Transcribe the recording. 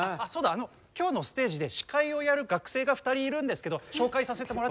あの今日のステージで司会をやる学生が２人いるんですけど紹介させてもらってもいいですか？